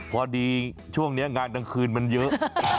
พอดีช่วงนี้งานกลางคืนมันเยอะ